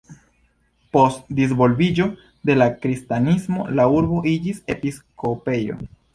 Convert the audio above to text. Post disvolviĝo de la kristanismo la urbo iĝis episkopejo.